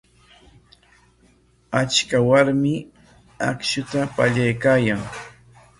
Achka warmi akshuta pallaykaayan.